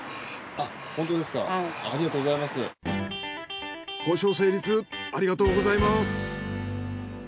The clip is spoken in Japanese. ありがとうございます。